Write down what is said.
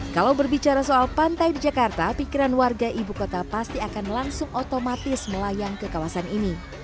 kalau berbicara soal pantai di jakarta pikiran warga ibu kota pasti akan langsung otomatis melayang ke kawasan ini